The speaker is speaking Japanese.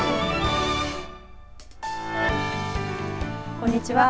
こんにちは。